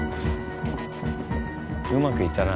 うまくいったな。